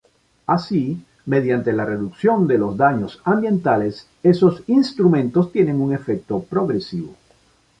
Así, mediante la reducción de los daños ambientales, esos instrumentos tienen un efecto progresivo.